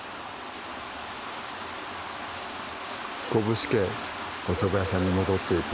こぶすけおそば屋さんに戻っていく。